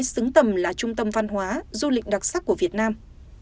xứng tầm là trung tâm văn hóa du lịch đặc sắc của việt nam